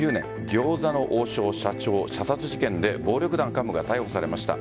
餃子の王将社長射殺事件で暴力団幹部が逮捕されました。